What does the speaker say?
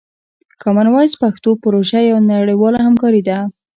کامن وایس پښتو پروژه یوه نړیواله همکاري ده.